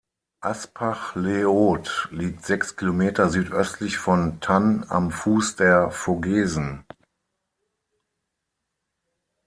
Aspach-le-Haut liegt sechs Kilometer südöstlich von Thann am Fuß der Vogesen.